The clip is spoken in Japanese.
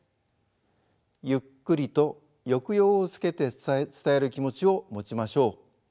ゆっくりと抑揚をつけて伝える気持ちを持ちましょう。